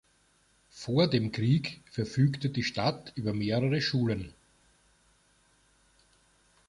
Vor dem Krieg verfügte die Stadt über mehrere Schulen.